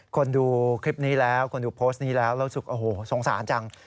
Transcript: คนดูคลิปนี้แล้วคนดูโพสต์นี้แล้วแล้วสงสารจัง